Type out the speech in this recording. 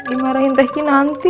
imarain tehki nanti